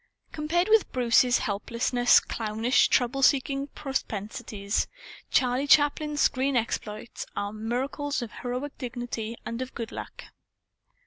Compared with Bruce's helplessly clownish trouble seeking propensities, Charlie Chaplin's screen exploits are miracles of heroic dignity and of good luck.